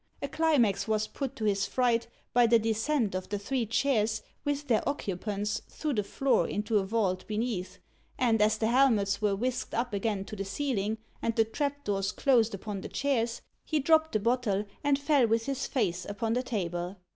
A climax was put to his fright, by the descent of the three chairs, with their occupants, through the floor into a vault beneath; and as the helmets were whisked up again to the ceiling, and the trap doors closed upon the chairs, he dropped the bottle, and fell with his face upon the table.